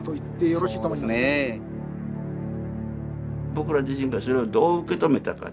僕ら自身がそれをどう受け止めたか。